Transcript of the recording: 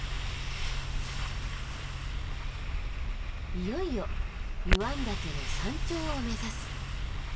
いよいよ湯湾岳の山頂を目指す。